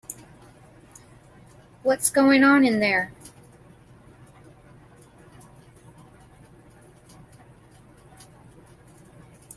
What's going on in there?